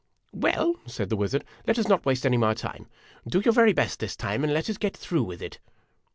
"Well," said the wizard, "let us not waste any more time. Do your very best this time, and let us get through with it